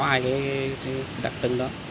hai cái đặc trưng đó